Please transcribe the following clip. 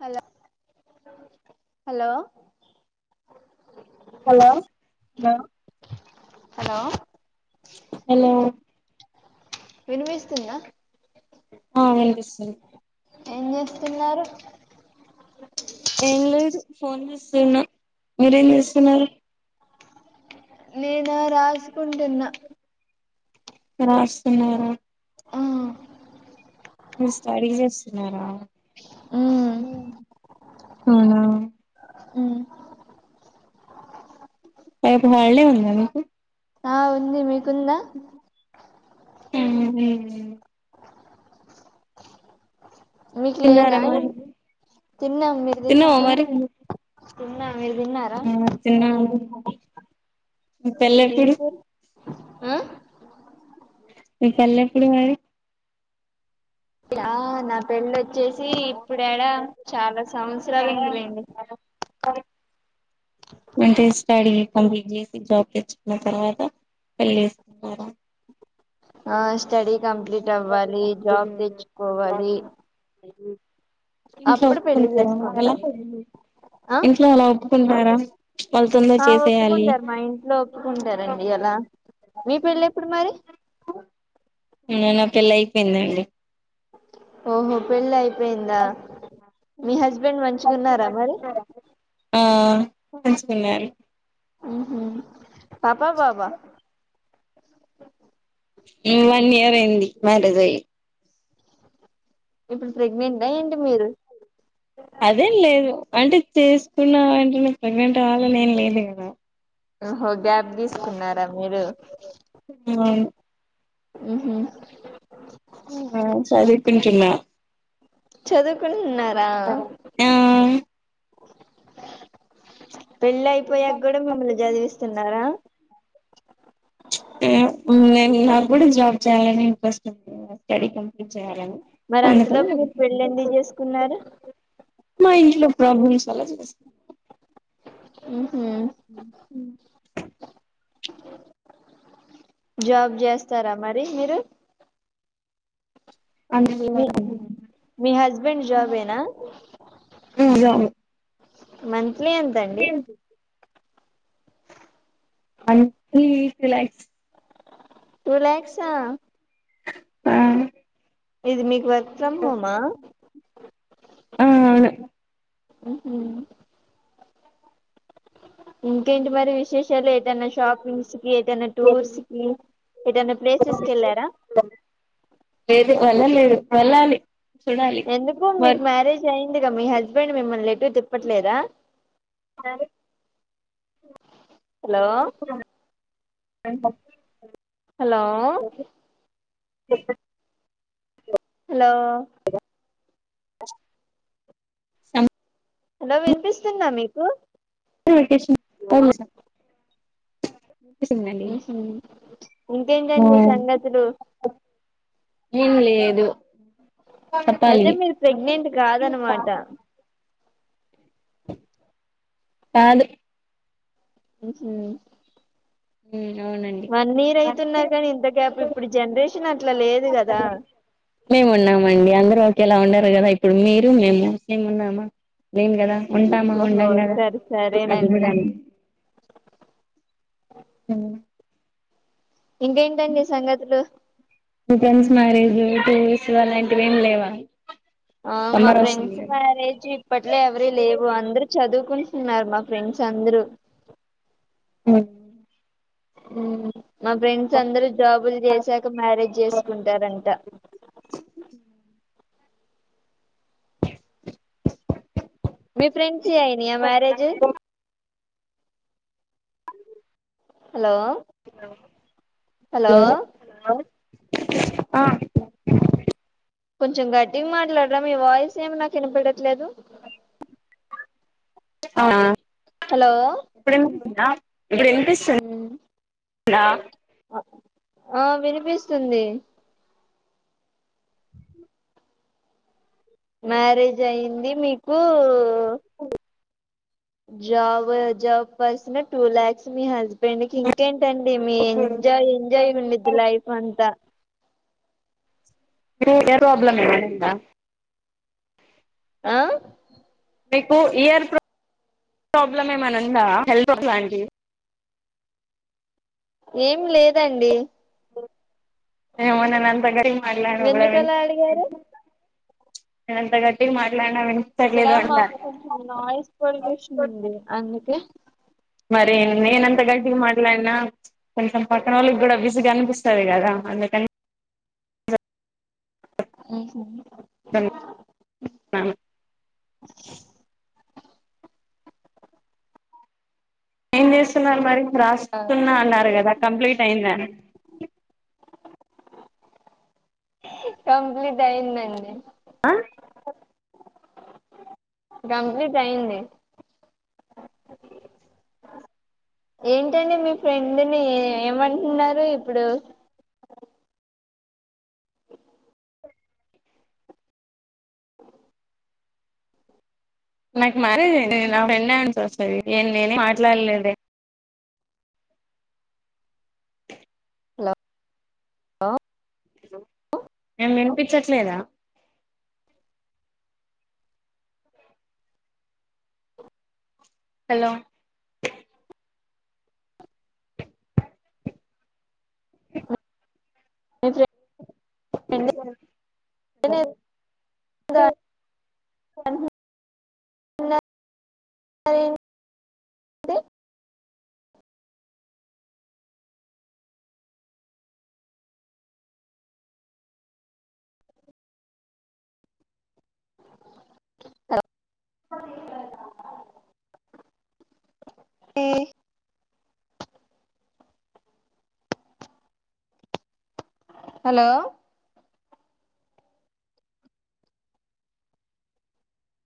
Hello hello hello hello hello వినివిస్తుందా ఆ వినిపిస్తుంది ఏం చేస్తున్నారు ఏం లేదు ఫోన్ చూస్తున్న మీరేం చేస్తున్నారు నేనా రాసుకుంటున్నా రాస్తున్నారా ఆ మీర్ స్టడీ చేస్తున్నారా అవునా మ్మ్ రేపు హాల్డే ఉందా మీకు ఆ ఉంది మీకుందా మ్మ్ మీకు తిన్నారా లేదా మరి తిన్నాం మీరు తిన్నావా దిన్నారా మరి తిన్న ఆ తిన్నాం మీ ఏం పెళ్లెప్పుడు కూర ఆ మీ పల్లెప్పుడు వయిరే ఆ నా పెళ్ళ్ వచ్చేస్ ఇప్పుడేడ చాలా సంవత్సరాలు ఉందిలేండి అంటే స్టడీ కంప్లీట్ చేసి జాబ్ తెచ్చుకున్న తర్వాత పెళ్లి చేస్కోవర ఆ స్టడీ కంప్లీట్ అవ్వాలి జాబ్ చేసుకుంటారా దెచ్చుకోవాలి ఇంట్లో ఒప్పుకుంటార చేసుకుంటా అలా ఆ ఇంట్లో అలా ఒప్పుకుంటార ఆ ఒప్పుకుంటారు మా ఇంట్లో ఒప్పుకుంటారండి అలా మీ పెళ్ళెప్పుడు మరి నా పెళ్లైపొయ్యిందండి ఓహో పెళ్లయి పొయిందా మీ హస్బెండ్ మంచిగున్నారా మరి ఆ మంచిగున్నాన్ ఉహ్ హు పాప, బాబా? ఇం వన్ ఇయర్ అయింది. మ్యారేజ్ అయ్యి ఇప్పుడు ప్రెగ్నెంటా. ఏంటి మీరు? అదేం లేదు. అంటే చేసుకున్నా వెంటేనే ప్రెగ్నెంట్ ఆవాలని ఏం లేదు గాదా. ఓహో గ్యాప్ తీసుకున్నారా మీరు? అవును ఉహ్ హు ఉహ్ హు చదువ్ పింటున్న చదువుకుటున్నారా? ఆ పెళ్ళి అయిపోయాక గూడా మిమ్మల్ని జదివిస్తున్నారా? ప్చ్ ఏమో ముందు నేను నాకూడా జాబ్ చేయాలని ఇంట్రెస్ట్ ఉంది. స్టడీ కంప్లీట్ చేయాలని మరి అంతలోపు మీరు పెళ్ళి కుదుర్తలేదు ఎందుకు చేసుకున్నారు [inaudible] మా ఇంట్లో ప్రబ్లమ్స్ చాలా జీనిస్ ఉహు ఉహ్ హు జాబ్ చేస్తారా. మరి మీరు? అందువల్ల మీ మీ హస్బెండ్ జాబేనా? జాబ్ మంత్లీ ఎంతండి? మంత్లీ టు లాక్స్ టూ లాక్సా ఆ ఇది మీకు వర్ ఫ్రమ్ హోమా? ఆ అవును ఉహ్ హు ఇంకేంటి మరి విశేషాలు? ఏటైనా షాపింగ్స్ కి, ఏటైనా టూర్స్ కి ఏటన్న ప్లేసెస్ కెళ్ళారా? లేదు వెళ్ళాలి వెళ్ళాలి ఎందుకు మరి మీకు మ్యారేజ్ అయిందిగా. మీ హస్బెండ్ మిమ్మల్నీ ఏటు తిప్పట్లేదా? సల్డ్రి హలో టైం పప్ హలో చెప్పాన్ [inaudible] హలో సం హలో వినిపిస్తుందా మీకు? టు ఇరిటేషన్ ఏం చేసినా ఉహ్ హు ప్చ్ ఇంకేంటండి సంగతులు. ఏం లేదు చెప్పాలి అయితే మీరు ప్రెగ్నెంట్ కాదనమాట. కాదు ఉహ్ హు ఇంగా ఏం వన్నీరుైతున్నాగానీ ఇంత గ్యాప్, ఇప్పుడు జనరేషన్ అట్లా లేదు గదా. మేము ఉన్నామండి. అందర్ రూ ఓకే అలా ఉండరు గాదా. ఇప్పుడు మీరు, మేము సేమ్ ఉన్నామా? లేం గదా. ఉంటామా ఓహో ఉండాం గదా. సరే అది గూడా సరేనండి అం ఉమ్ ఇంకేంటండి సంగతులు! మీ ఫ్రెండ్స్ మ్యారేజ్ లు, టూరీస్ అలాంటివి ఏం లేవా? ఆ మా సమ్మర్ వస్తుంది ఫ్రెండ్స్ కదా మ్యారేజ్ ఇప్పట్లో ఎవరియ్ లేవు. అందరు చదువ్ కుంటున్నారు మా ఫ్రెండ్స్ అందరూ. అవునా ఉ మా ఫ్రెండ్స్ అందరు జాబులు చేసాక మ్యారేజ్ చేసుకుంటారంట మీ ఫ్రెండ్స్యనియా మ్యారేజ్ హలో హలో హలో ఆ కొంచెం గట్టింగ్ మాట్లాడరా మీ వాయిస్ ఏమి నాకు వినపడట్లేదు ఆ హలో విని [inaudible] పిస్తు ఉమ్, ఆ వినిపిస్తుంది మ్యారేజ్ అయిది మీకు జాబ్ జాబ్ బ పస్ టూ లక్స్ మీ హస్బ పెడుకి ఇంకేంటండి మీ ఇప్పుడు ఎంజాయ్ ఎంజాయ్ ఉండద్ది లైఫ్ అంతా ఏ ప్రాబ్లమ్ ఇంద ఆ మీకు ఇయర్ ప్ర ప్రాబ్లమ్ ఏమని ఉందా హెల్త్క్ లాంటి ఏం లేదండి [unintelligible] ఎందుకలా అడిగారు ఏంత గట్ ఇక్కడ మాకు కొంచెం నాయిస్ పొల్యూషన్ ఉంది అందుకే మరి నేనంత గట్టికి మాట్లాడినా కొంచెం పక్కన వాళ్ళకి కూడా బజగా అనిపిస్తుది కదా అందుకనీ అ ఏం చేస్తున్నారు మరి రారాస్తున్నా అన్నారు కదా కంప్లీట్ అయిందని కంప్లీట్ అయిందిందండి కంప్లీట్ అయింది ఏంటండి మీ ఫ్రెండ్ని ఏమంటున్నారు ఇప్పుడు నాకు మ్యారేజ్ అయింది నా ఫ్రెండ్ ఏమనిసి వస్తుంది నేనే మాట్లాడలేద హలో హలో మేం వినిపించట్లేదా హలోలో మీ ఫ్రైడ్ [unintelligible] [inaudible] అ అ హలో